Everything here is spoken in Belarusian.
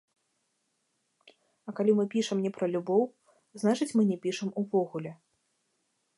А калі мы пішам не пра любоў, значыць, мы не пішам увогуле.